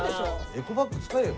エコバッグ使えよ。